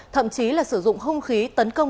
thậm chí là sử dụng hung khí tấn công